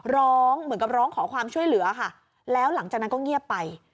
ร้องเหมือนกับร้องขอความช่วยเหลือค่ะแล้วหลังจากนั้นก็เงียบไป